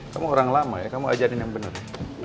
kamu orang lama ya kamu ajarin yang bener ya